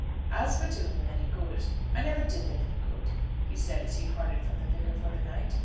"As for doing them any good, I never did them any good," he said, as he parted from the Vicar for the night.